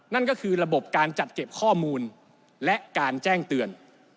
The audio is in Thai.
นั่นก็คือระบบการจัดเก็บข้อมูลและการแจ้งเตือน